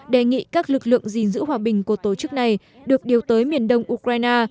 đề nghị các lực lượng gìn giữ hòa bình của tổ chức này được điều tới miền đông ukraine